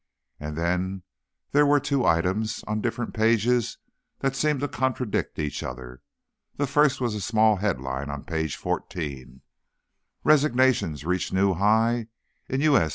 And then there were two items, on different pages, that seemed to contradict each other. The first was a small headline on page fourteen: RESIGNATIONS REACH NEW HIGH IN U.S.